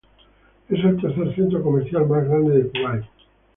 Es el tercer centro comercial más grande de Kuwait.